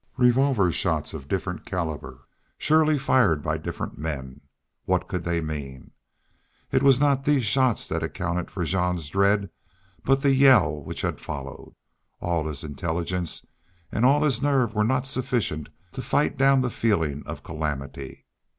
Revolver shots of different caliber, surely fired by different men! What could they mean? It was not these shots that accounted for Jean's dread, but the yell which had followed. All his intelligence and all his nerve were not sufficient to fight down the feeling of calamity.